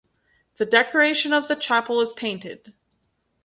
The decoration of the chapel is painted.